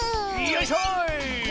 よいしょ！